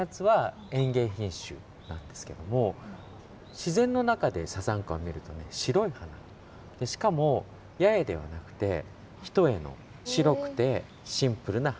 自然の中でサザンカを見ると白い花しかも八重ではなくて一重の白くてシンプルな花。